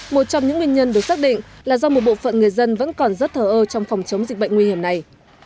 một trong những nguyên nhân được xác định là do một bộ phận người dân vẫn còn rất thờ ơ trong phòng chống dịch bệnh nguy hiểm này